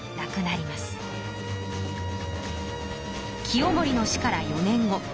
清盛の死から４年後。